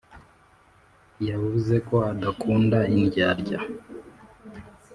yavuzeko adakunda indyarya